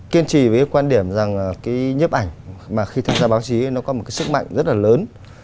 kiên trì với quan điểm rằng cái nhấp ảnh mà khi thích ra báo chí nó có một cái sức mạnh rất là lớn